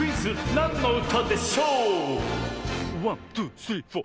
「なんのうたでしょ」